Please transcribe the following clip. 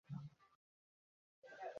তুই সেলুন ছেড়ে দিলি কেন?